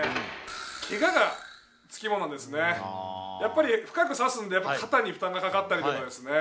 やっぱり深く差すんで肩に負担がかかったりとかですね